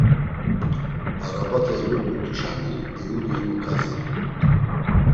Arabate elulurt̆uşani Eyubi himu kaziru.